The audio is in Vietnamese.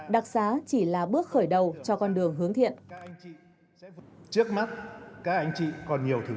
đặc xá chỉ là bước khởi đầu cho con đường hướng thiện